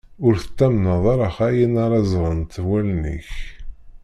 Ur tettamneḍ ara ayen ara ẓrent wallen-ik.